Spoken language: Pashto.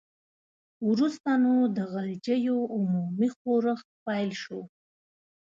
وروسته نو د غلجیو عمومي ښورښ پیل شو.